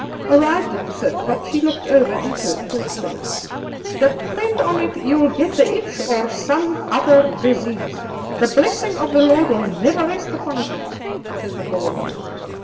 Arrived at the soap pot she looked over into it thoughtfully. "Depend upon it you'll get the itch, or some other disease; the blessing of the Lord'll never rest upon it," said the Boer woman.